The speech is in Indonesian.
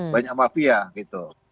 banyak mafia gitu